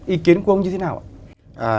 ý kiến của ông như thế nào ạ